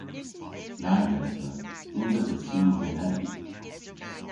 Nag esa. Nyns esa sim genen.